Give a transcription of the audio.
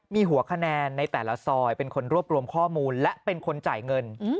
มีหัวคะแนนในแต่ละซอยเป็นคนรวบรวมข้อมูลและเป็นคนจ่ายเงิน